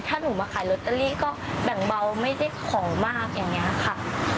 ถ้าหนูมาขายลอตเตอรี่ก็แบ่งเบาไม่ได้ของมากอย่างนี้ค่ะ